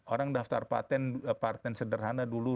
orang daftar parten sederhana dulu